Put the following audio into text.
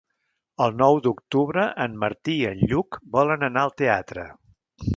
El nou d'octubre en Martí i en Lluc volen anar al teatre.